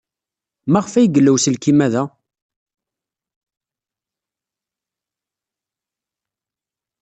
Maɣef ay yella uselkim-a da?